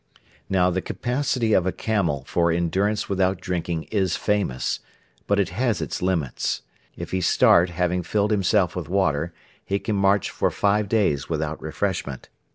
Now, the capacity of a camel for endurance without drinking is famous; but it has its limits. If he start having filled himself with water, he can march for five days without refreshment.